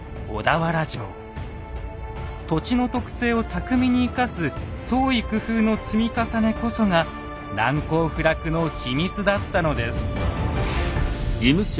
土地の特性を巧みに生かす創意工夫の積み重ねこそが難攻不落の秘密だったのです。